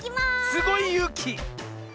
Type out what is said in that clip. すごいゆうき！